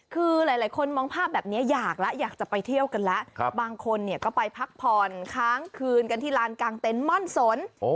คือหลายคนมองภาพแบบนี้อยากแล้วอยากจะไปเที่ยวกันแล้วบางคนเนี่ยก็ไปพักผ่อนค้างคืนกันที่ลานกลางเต็นต์ม่อนสน